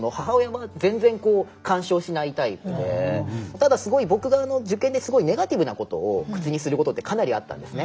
ただすごい僕が受験ですごいネガティブなことを口にすることってかなりあったんですね。